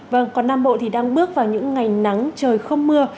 vâng còn nam bộ thì đang bước vào những ngày nắng trời không mưa